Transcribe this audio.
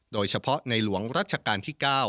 โดยเฉพาะในหลวงรัชกาลที่๙